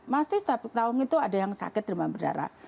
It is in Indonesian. masih satu tahun itu ada yang sakit demam berdarah